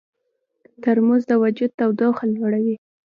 ترموز د وجود تودوخه لوړوي.